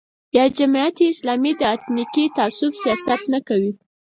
یا جمعیت اسلامي د اتنیکي تعصب سیاست نه کوي.